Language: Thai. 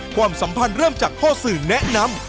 ความสัมพันธ์เริ่มจากพ่อสื่อแนะนำ